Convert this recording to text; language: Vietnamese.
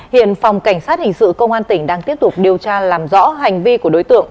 hiện phòng cảnh sát hình sự công an tỉnh đang tiếp tục điều tra làm rõ hành vi của đối tượng